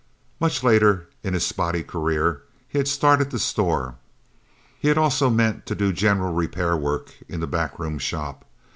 Much later in his spotty career, he had started the store. He had also meant to do general repair work in the backroom shop.